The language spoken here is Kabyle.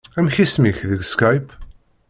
Amek isem-ik deg Skype?